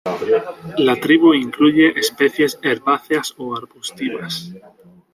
La tribu incluye especies herbáceas o arbustivas.